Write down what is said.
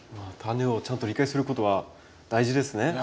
タネをちゃんと理解することは大事ですね。